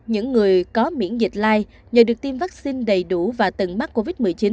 những người có miễn dịch lai nhờ được tiêm vaccine đầy đủ và từng mắc covid một mươi chín